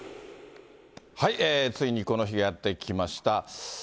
ついにこの日がやって来ました。